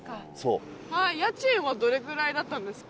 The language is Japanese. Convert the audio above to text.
家賃はどれぐらいだったんですか？